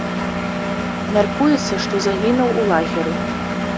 Мяркуецца, што загінуў у лагеры.